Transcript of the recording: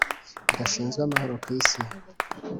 gashinzwe amahoro ku isi.